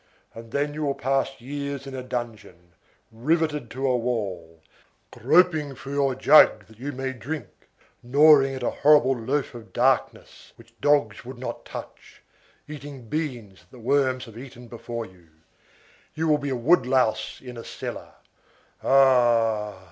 And then you will pass years in a dungeon, riveted to a wall, groping for your jug that you may drink, gnawing at a horrible loaf of darkness which dogs would not touch, eating beans that the worms have eaten before you. You will be a wood louse in a cellar. Ah!